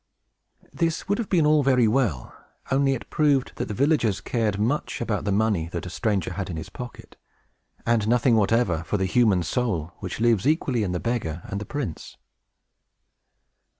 This would have been all very well, only it proved that the villagers cared much about the money that a stranger had in his pocket, and nothing whatever for the human soul, which lives equally in the beggar and the prince.